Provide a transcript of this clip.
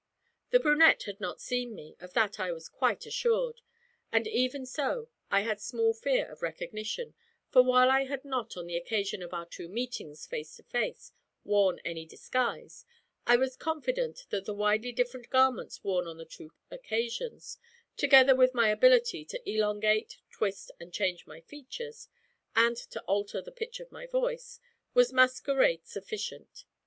The brunette had not seen me; of that I was quite assured, and even so I had small fear of recognition, for while I had not, on the occasion of our two meetings face to face, worn any disguise, I was confident that the widely different garments worn on the two occasions, together with my ability to elongate, twist, and change my features, and to alter the pitch of my voice, was masquerade sufficient.